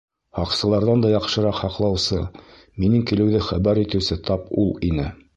Һаҡсыларҙан да яҡшыраҡ һаҡлаусы, минең килеүҙе хәбәр итеүсе тап ул ине!